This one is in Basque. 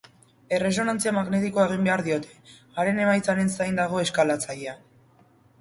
Erresonantzia magnetikoa egin behar diote, haren emaitzaren zain dago eskalatzailea.